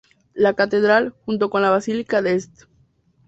La catedral, junto con la Basílica de St.